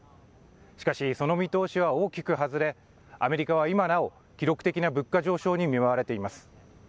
しかし、その見通しは大きく外れ、アメリカは今なお、物価上昇に見舞われています。